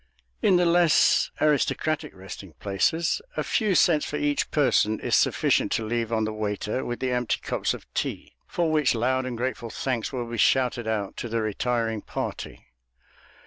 In the less aristocratic resting places, a few cents for each person is sufficient to leave on the waiter with the empty cups of tea, for which loud and grateful thanks will be shouted out to the retiring party.